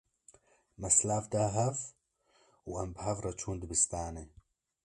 Me silav da hev û em bi hev re çûn dibistanê.